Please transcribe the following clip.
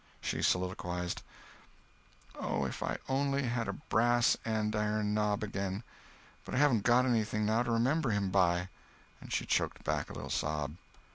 She soliloquized: "Oh, if I only had a brass andiron knob again! But I haven't got anything now to remember him by." And she choked back a little sob.